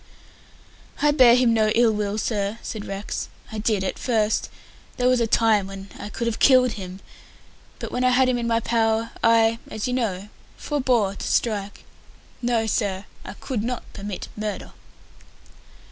"I bear him no ill will, sir," said Rex. "I did at first. There was a time when I could have killed him, but when I had him in my power, I as you know forbore to strike. No, sir, I could not commit murder!"